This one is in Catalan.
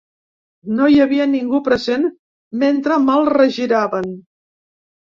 No hi havia ningú present mentre me’l regiraven.